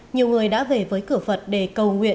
nhiều người đã về với cửa phật để cầu nguyện